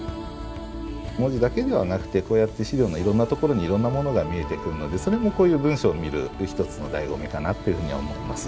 文字だけではなくてこうやって資料のいろんなところにいろんなものが見えてくるのでそれもこういう文書を見る一つのだいご味かなっていうふうには思ってます。